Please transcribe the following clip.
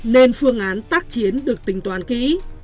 nên phương án tác chiến được tính toán kỹ